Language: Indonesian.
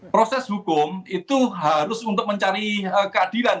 proses hukum itu harus untuk mencari keadilan